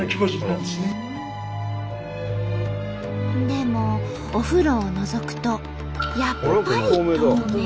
でもお風呂をのぞくとやっぱり透明。